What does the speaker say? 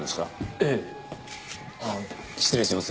ええ失礼します